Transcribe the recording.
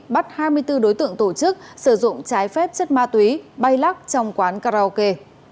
bắt hai mươi bốn đối tượng tổ chức sử dụng trái phép chất ma túy bay lắc trong quán karaoke